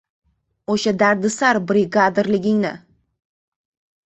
o‘sha dardisar brigadirligingni!